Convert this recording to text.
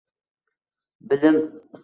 B I L I M